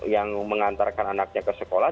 yang mengantarkan anaknya ke sekolah